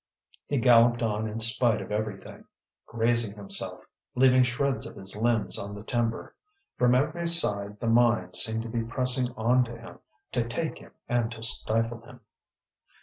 He galloped on in spite of everything, grazing himself, leaving shreds of his limbs on the timber. From every side the mine seemed to be pressing on to him to take him and to stifle him.